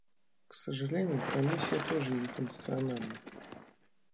К сожалению, Комиссия тоже не функциональна.